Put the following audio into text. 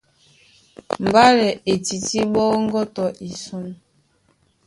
Mbálɛ e tití ɓɔ́ŋgɔ́ tɔ isɔ̂n.